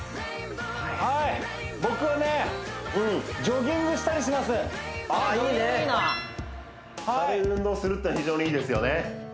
ジョギングいいな軽い運動するっていうのは非常にいいですよね